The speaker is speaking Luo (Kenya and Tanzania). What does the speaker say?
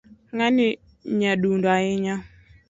Ngani nyadundo ahinya